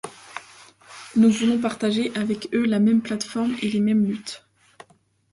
Nous voulons partager avec eux la même plate-forme et les mêmes luttes.